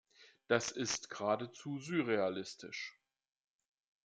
Das ist geradezu surrealistisch.